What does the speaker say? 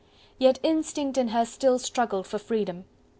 Yet instinct in her still struggled for freedom.